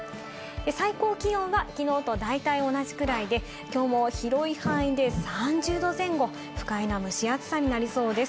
最高気温はきのうと大体同じくらいで、きょうも広い範囲で３０度前後、不快な蒸し暑さになりそうです。